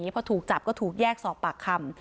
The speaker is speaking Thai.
พอถูกจับก็ถูกแยกสอบปากคำ